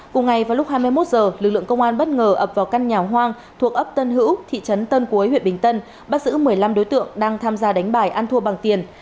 cùng ngày vào lúc hai mươi một h lực lượng công an bất ngờ ập vào căn nhà hoang thuộc ấp tân hữu thị trấn tân cuối huyện bình tân bắt giữ một mươi năm đối tượng đang tham gia đánh bài ăn thua bằng tiền